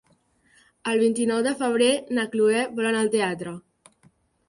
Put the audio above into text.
El vint-i-nou de febrer na Cloè vol anar al teatre.